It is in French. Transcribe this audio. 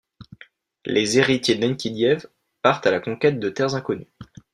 Les héritiers d'Enkidiev partent à la conquête de terres inconnues.